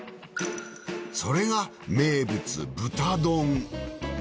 それが名物豚丼。